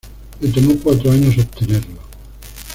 Le tomó cuatro años obtenerlo.